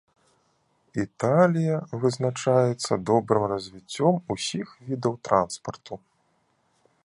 Італія вызначаецца добрым развіццём усіх відаў транспарту.